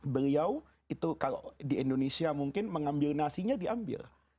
beliau itu kalau di indonesia mungkin mengambil nasinya diambil